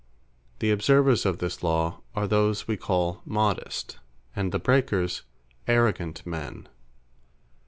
The observers of this law, are those we call Modest, and the breakers Arrogant Men.